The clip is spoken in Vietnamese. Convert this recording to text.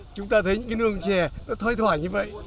chúng ta thấy những cái nương chè nó thoai thoải như vậy